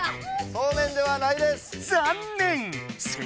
そうめんではないです。